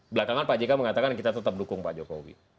belakangan pak jk mengatakan kita tetap dukung pak jokowi